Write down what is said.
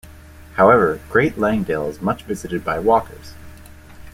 However, Great Langdale is much visited by walkers.